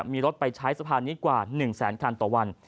มีรถไปใช้สะพานนี้กว่า๑แสนคันต่อวัน